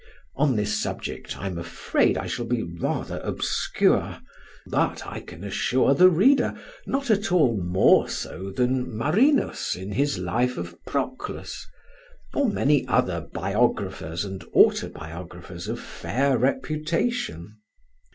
On this subject I am afraid I shall be rather obscure, but I can assure the reader not at all more so than Marinus in his Life of Proclus, or many other biographers and autobiographers of fair reputation.